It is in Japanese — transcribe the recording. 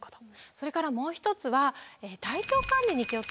それからもう一つは体調管理に気をつけることですね。